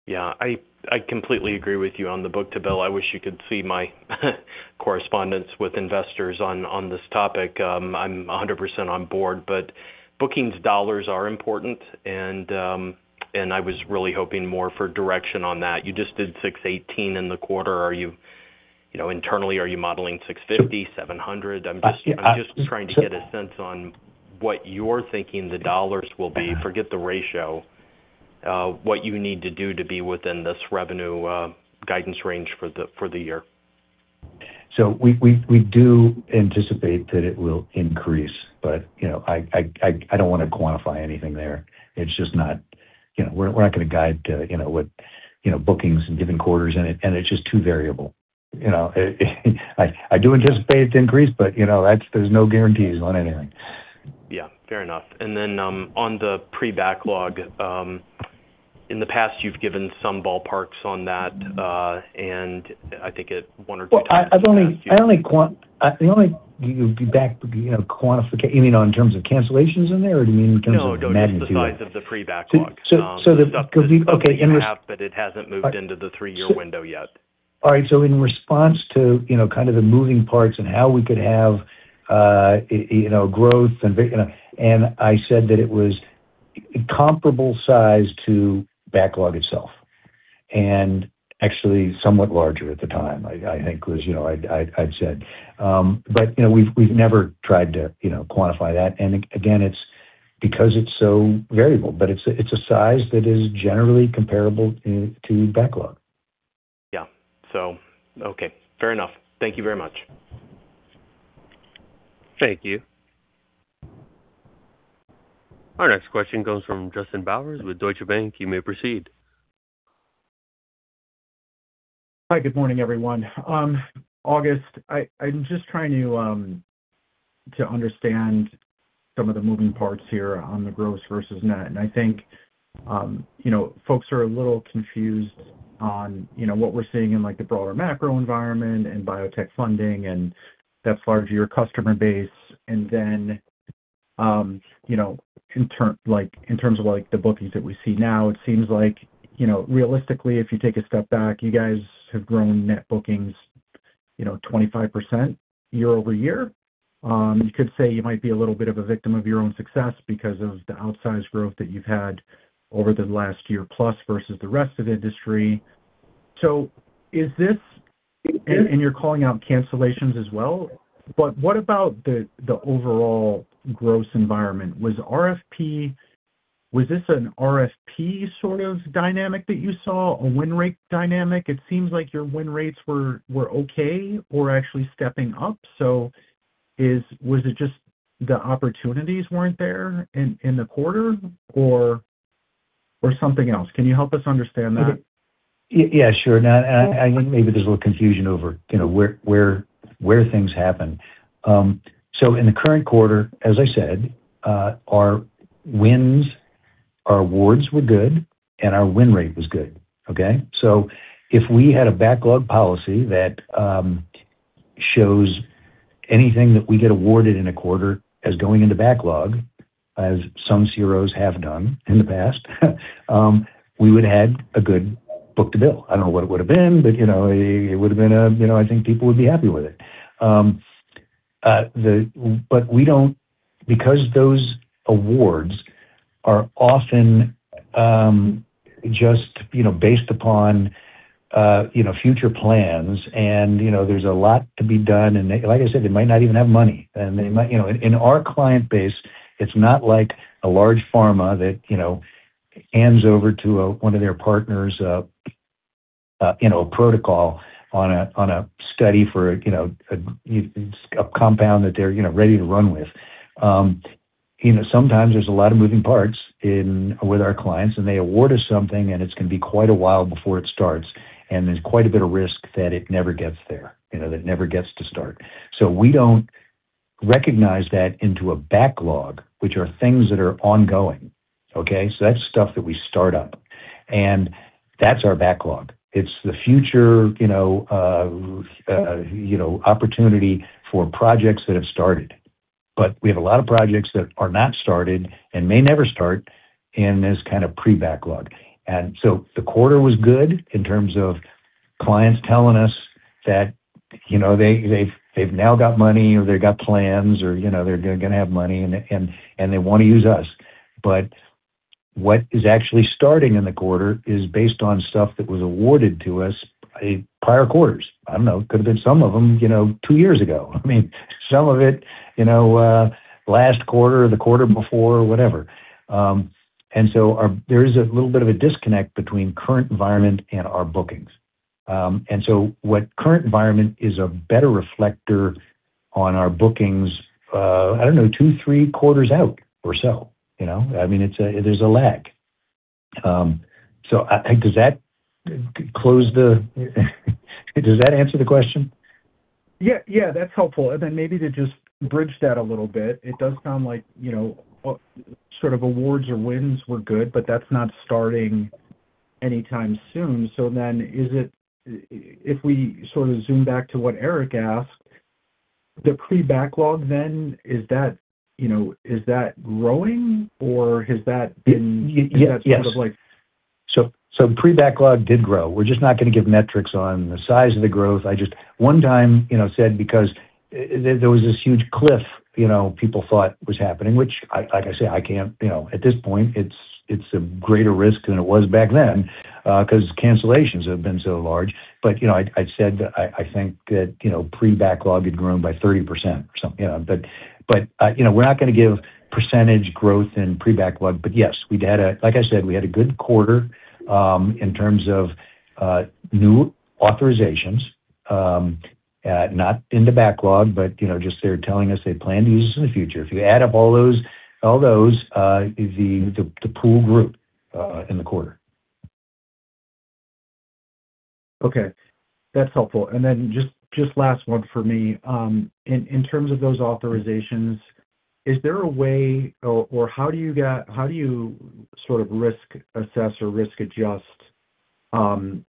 Yeah. I completely agree with you on the book-to-bill. I wish you could see my correspondence with investors on this topic. I'm 100% on board, but bookings dollars are important, and I was really hoping more for direction on that. You just did $618 in the quarter. Internally, are you modeling $650, $700? I'm just trying to get a sense on what you're thinking the dollars will be. Forget the ratio. What you need to do to be within this revenue guidance range for the year?
We do anticipate that it will increase, but I don't want to quantify anything there. We're not going to guide to what bookings in given quarters, and it's just too variable. I do anticipate it to increase, but there's no guarantees on anything.
Yeah. Fair enough. On the pre-backlog, in the past, you've given some ballparks on that, and I think at one or two times-
You mean in terms of cancellations in there, or do you mean in terms of magnitude of it?
No, just the size of the pre-backlog.
Okay.
The stuff that you have, but it hasn't moved into the three-year window yet.
All right. In response to kind of the moving parts and how we could have growth and I said that it was comparable size to backlog itself, and actually somewhat larger at the time, I think I'd said. We've never tried to quantify that. Again, it's because it's so variable, but it's a size that is generally comparable to backlog.
Yeah. Okay. Fair enough. Thank you very much.
Thank you. Our next question comes from Justin Bowers with Deutsche Bank. You may proceed.
Hi, good morning, everyone. August, I'm just trying to understand some of the moving parts here on the gross versus net. I think folks are a little confused on what we're seeing in the broader macro environment and biotech funding and that larger customer base. In terms of the bookings that we see now, it seems like realistically, if you take a step back, you guys have grown net bookings 25% year-over-year. You could say you might be a little bit of a victim of your own success because of the outsized growth that you've had over the last year plus versus the rest of the industry. Is this, and you're calling out cancellations as well, but what about the overall gross environment? Was this an RFP sort of dynamic that you saw, a win rate dynamic? It seems like your win rates were okay or actually stepping up. Was it just the opportunities weren't there in the quarter or something else? Can you help us understand that?
Yeah, sure. Now, I think maybe there's a little confusion over where things happen. In the current quarter, as I said, our wins, our awards were good and our win rate was good. Okay? If we had a backlog policy that shows anything that we get awarded in a quarter as going into backlog, as some CROs have done in the past, we would had a good book-to-bill. I don't know what it would've been, but it would've been a. I think people would be happy with it. We don't because those awards are often just based upon future plans and there's a lot to be done and like I said, they might not even have money. In our client base, it's not like a large pharma that hands over to one of their partners a protocol on a study for a compound that they're ready to run with. Sometimes there's a lot of moving parts with our clients and they award us something, and it's going to be quite a while before it starts, and there's quite a bit of risk that it never gets there, that it never gets to start. We don't recognize that into a backlog, which are things that are ongoing. Okay? That's stuff that we start up and that's our backlog. It's the future opportunity for projects that have started. We have a lot of projects that are not started and may never start in this kind of pre-backlog. The quarter was good in terms of clients telling us that they've now got money or they've got plans or they're going to have money and they want to use us. What is actually starting in the quarter is based on stuff that was awarded to us in prior quarters. I don't know, it could have been some of them two years ago. I mean, some of it last quarter or the quarter before, whatever. There is a little bit of a disconnect between current environment and our bookings. What current environment is a better reflector on our bookings, I don't know, two, three quarters out or so. I mean, there's a lag. Does that answer the question?
Yeah, that's helpful. Then maybe to just bridge that a little bit, it does sound like sort of awards or wins were good, but that's not starting anytime soon. If we sort of zoom back to what Eric asked, the pre-backlog then, is that growing or has that been-
Yes.
-sort of like-
Pre-backlog did grow. We're just not going to give metrics on the size of the growth. I just one time said because there was this huge cliff people thought was happening, which like I say, at this point it's a greater risk than it was back then, because cancellations have been so large. I said that I think that pre-backlog had grown by 30% or something. We're not going to give percentage growth in pre-backlog, but yes, like I said, we had a good quarter in terms of new authorizations, not in the backlog, but just they're telling us they plan to use us in the future. If you add up all those, the pool grew in the quarter.
Okay. That's helpful. Just last one for me. In terms of those authorizations, is there a way or how do you sort of risk assess or risk adjust quality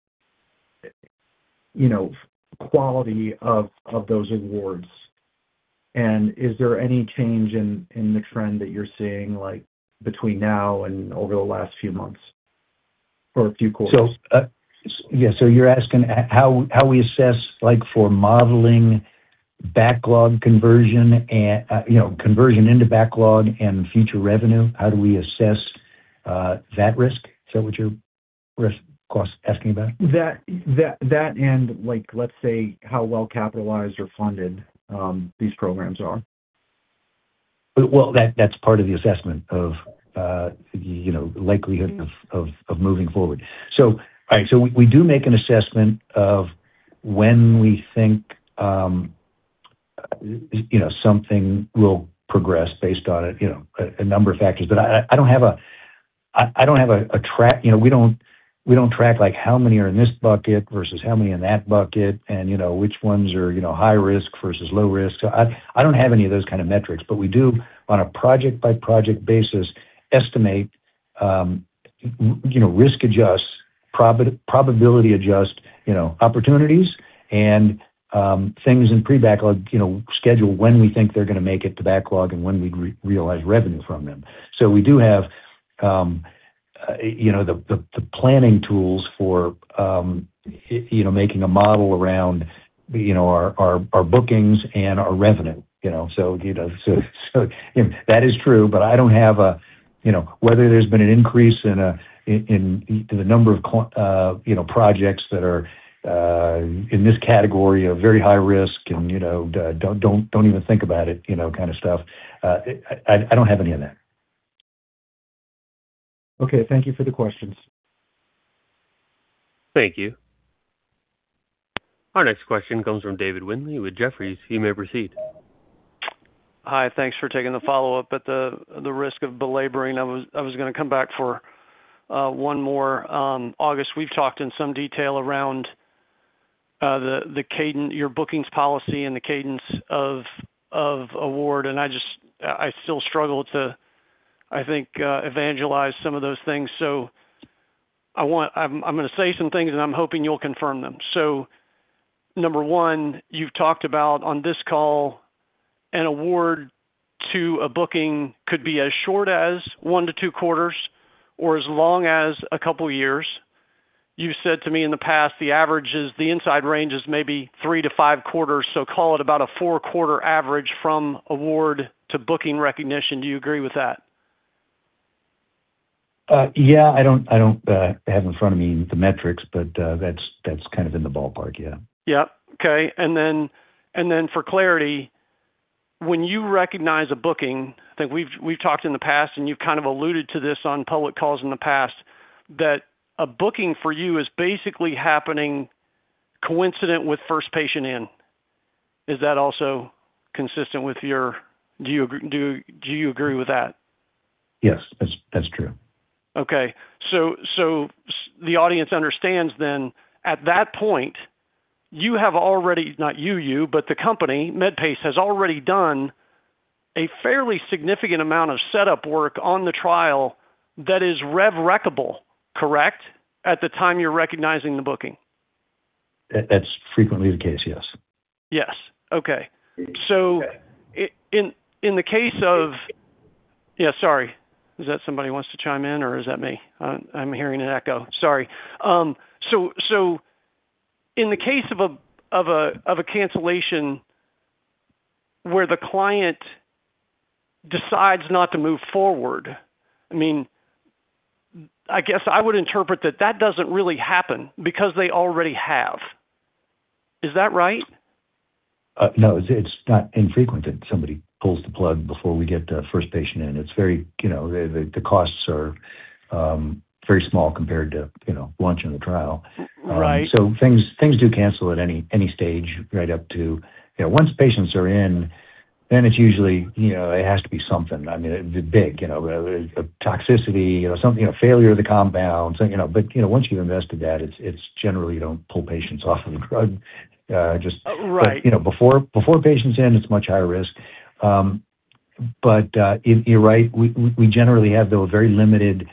of those awards? Is there any change in the trend that you're seeing like between now and over the last few months or a few quarters?
Yeah. You're asking how we assess, like for modeling backlog conversion and conversion into backlog and future revenue, how do we assess that risk? Is that what you're asking about?
That and like, let's say, how well-capitalized or funded these programs are.
Well, that's part of the assessment of the likelihood of moving forward. We do make an assessment of when we think something will progress based on a number of factors. We don't track like how many are in this bucket versus how many in that bucket and which ones are high risk versus low risk. I don't have any of those kind of metrics, but we do on a project-by-project basis, estimate, risk adjust, probability adjust opportunities and things in pre-backlog schedule when we think they're going to make it to backlog and when we'd realize revenue from them. We do have the planning tools for making a model around our bookings and our revenue. That is true, but I don't have whether there's been an increase in the number of projects that are in this category of very high risk and don't even think about it, kind of stuff. I don't have any of that.
Okay. Thank you for the questions.
Thank you. Our next question comes from David Windley with Jefferies. You may proceed.
Hi. Thanks for taking the follow-up. At the risk of belaboring, I was going to come back for one more. August, we've talked in some detail around your bookings policy and the cadence of award, and I still struggle to, I think, evangelize some of those things. I'm going to say some things, and I'm hoping you'll confirm them. Number one, you've talked about on this call an award to a booking could be as short as one-two quarters or as long as a couple of years. You've said to me in the past, the average is the inside range is maybe three-five quarters. Call it about a four-quarter average from award to booking recognition. Do you agree with that?
Yeah. I don't have in front of me the metrics, but that's kind of in the ballpark. Yeah.
Yep. Okay. For clarity, when you recognize a booking, I think we've talked in the past and you've kind of alluded to this on public calls in the past, that a booking for you is basically happening coincident with first patient in. Is that also consistent with? Do you agree with that?
Yes, that's true.
Okay. The audience understands then at that point, you have already, not you, but the company Medpace has already done a fairly significant amount of setup work on the trial that is Revenue Recognition-able, correct, at the time you're recognizing the booking?
That's frequently the case, yes.
Yes. Okay. Yeah, sorry. Is that somebody wants to chime in or is that me? I'm hearing an echo. Sorry. In the case of a cancellation where the client decides not to move forward, I guess I would interpret that doesn't really happen because they already have. Is that right?
No, it's not infrequent that somebody pulls the plug before we get first patient in. The costs are very small compared to launching the trial.
Right.
Things do cancel at any stage right up to once patients are in. Then it's usually it has to be something, I mean, big, a toxicity, something, a failure of the compound. But once you've invested that, it's generally you don't pull patients off of the drug just-
Right...
before patients in, it's much higher risk. You're right, we generally have, though, a very limited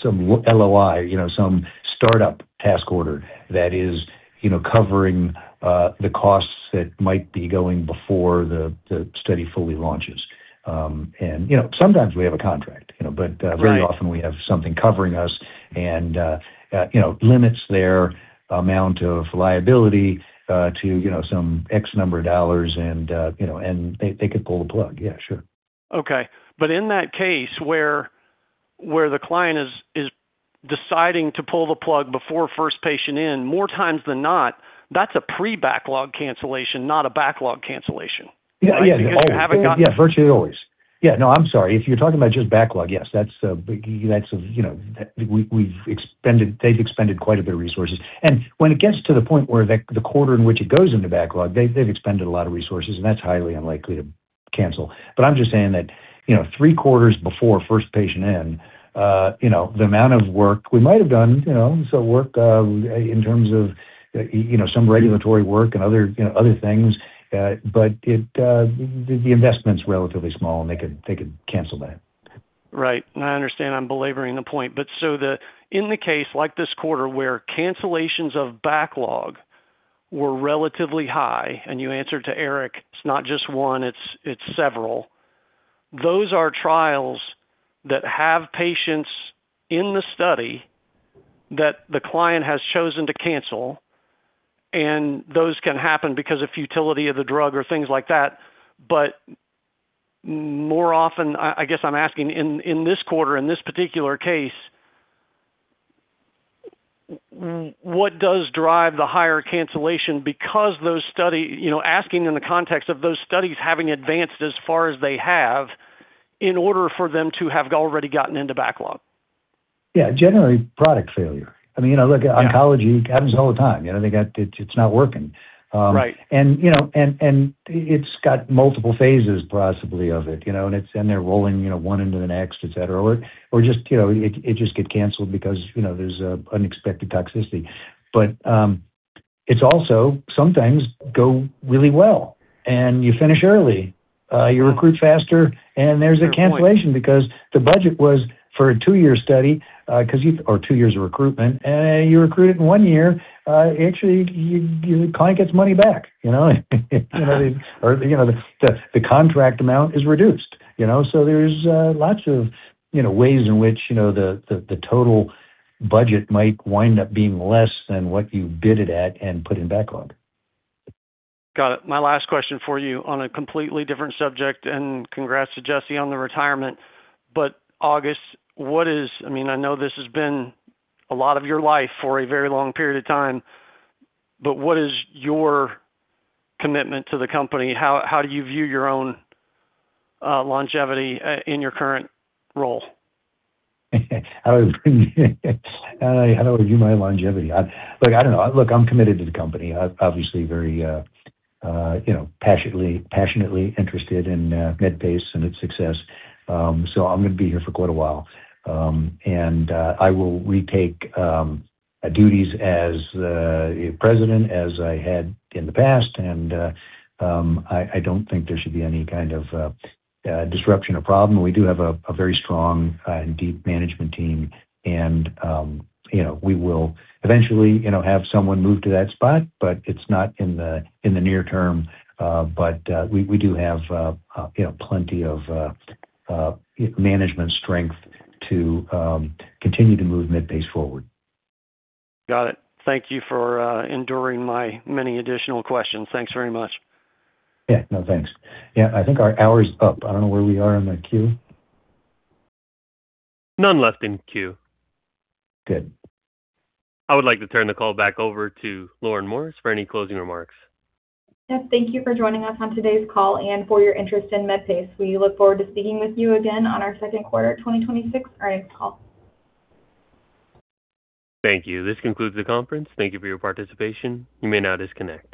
some LOI, some startup task order that is covering the costs that might be going before the study fully launches. Sometimes we have a contract, but very often we have something covering us and limits their amount of liability to some X number of dollars and they could pull the plug. Yeah, sure.
Okay. In that case where the client is deciding to pull the plug before first patient in, more times than not, that's a pre-backlog cancellation, not a backlog cancellation.
Yeah. Virtually always. Yeah. No, I'm sorry. If you're talking about just backlog, yes. They've expended quite a bit of resources. When it gets to the point where the quarter in which it goes into backlog, they've expended a lot of resources, and that's highly unlikely to cancel. I'm just saying that three quarters before first patient in, the amount of work we might have done, some work in terms of some regulatory work and other things, but the investment's relatively small, and they could cancel that.
Right. I understand I'm belaboring the point, but in the case like this quarter where cancellations of backlog were relatively high, and you answered to Eric, it's not just one, it's several. Those are trials that have patients in the study that the client has chosen to cancel, and those can happen because of futility of the drug or things like that. More often, I guess I'm asking in this quarter, in this particular case, what does drive the higher cancellation, asking in the context of those studies having advanced as far as they have in order for them to have already gotten into backlog.
Yeah. Generally product failure. Look, oncology happens all the time. It's not working.
Right.
It's got multiple phases possibly of it, and they're rolling one into the next, et cetera. It just gets canceled because there's unexpected toxicity. It's also sometimes goes really well and you finish early. You recruit faster and there's a cancellation because the budget was for a two-year study, or two years of recruitment, and you recruit it in one year. Actually, your client gets money back or the contract amount is reduced. There's lots of ways in which the total budget might wind up being less than what you bid it at and put in backlog.
Got it. My last question for you on a completely different subject, and congrats to Jesse on the retirement. August, I know this has been a lot of your life for a very long period of time, but what is your commitment to the company? How do you view your own longevity in your current role?
How do I view my longevity? Look, I don't know. Look, I'm committed to the company. I'm obviously very passionately interested in Medpace and its success. I'm going to be here for quite a while. I will retake duties as president as I had in the past, and I don't think there should be any kind of disruption or problem. We do have a very strong and deep management team and we will eventually have someone move to that spot, but it's not in the near term. We do have plenty of management strength to continue to move Medpace forward.
Got it. Thank you for enduring my many additional questions. Thanks very much.
Yeah. No, thanks. Yeah, I think our hour is up. I don't know where we are in the queue.
None left in queue.
Good.
I would like to turn the call back over to Lauren Morris for any closing remarks.
Yes. Thank you for joining us on today's call and for your interest in Medpace. We look forward to speaking with you again on our Q2 2026 earnings call.
Thank you. This concludes the conference. Thank you for your participation. You may now disconnect.